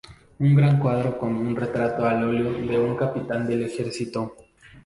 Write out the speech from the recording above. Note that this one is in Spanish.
Un gran cuadro con un retrato al óleo de un capitán del ejército.